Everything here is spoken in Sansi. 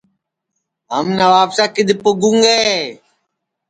ہم نوابشاہ کِدؔ پُگوں گے